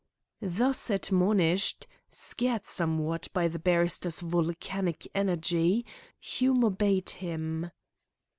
Thus admonished, scared somewhat by the barrister's volcanic energy, Hume obeyed him.